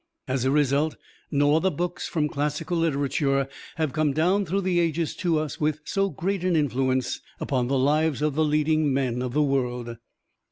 As a result, no other books from classical literature have come down through the ages to us with so great an influence upon the lives of the leading men of the world.